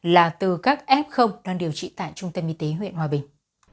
là từ các f đang điều trị tại trung tâm y tế huyện hòa bình